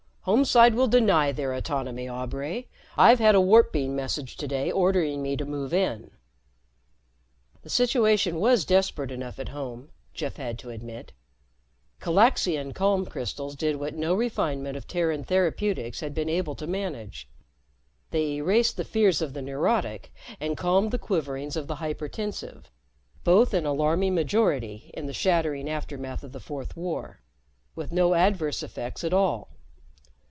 "Homeside will deny their autonomy, Aubray. I've had a warp beam message today ordering me to move in." The situation was desperate enough at home, Jeff had to admit. Calaxian calm crystals did what no refinement of Terran therapeutics had been able to manage. They erased the fears of the neurotic and calmed the quiverings of the hypertensive both in alarming majority in the shattering aftermath of the Fourth War with no adverse effects at all.